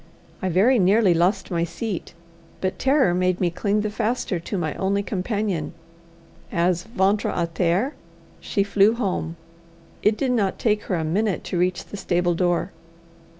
I very nearly lost my seat, but terror made me cling the faster to my only companion, as ventre à terre she flew home. It did not take her a minute to reach the stable door.